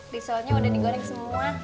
risolnya udah digoreng semua